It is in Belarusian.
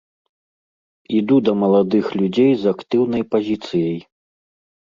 Іду да маладых людзей з актыўнай пазіцыяй.